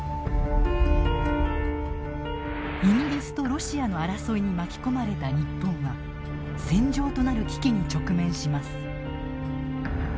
イギリスとロシアの争いに巻き込まれた日本は戦場となる危機に直面します。